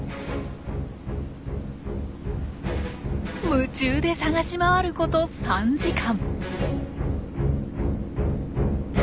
夢中で探し回ること３時間。